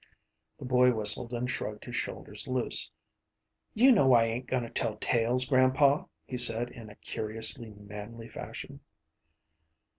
The boy whistled and shrugged his shoulders loose. “You know I ain’t goin’ to tell tales, grandpa,‚ÄĚ he said, in a curiously manly fashion.